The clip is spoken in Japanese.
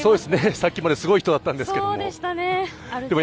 さっきまですごい人だったんですけれども。